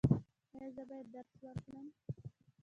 ایا زه باید درس ورکړم؟